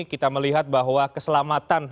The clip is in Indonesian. kita melihat bahwa keselamatan